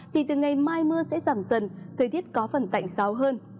thì từ ngày mai mưa sẽ giảm dần thời tiết có phần tạnh giáo hơn